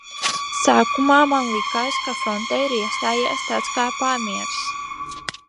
Sākumā man likās, ka frontē ir iestājies tāds kā pamiers.